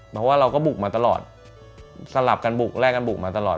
เพราะว่าเราก็บุกมาตลอดสลับกันบุกแลกกันบุกมาตลอด